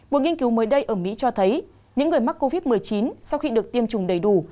một nghiên cứu mới đây ở mỹ cho thấy những người mắc covid một mươi chín sau khi được tiêm chủng đầy đủ